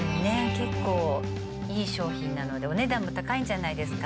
結構いい商品なのでお値段も高いんじゃないですか？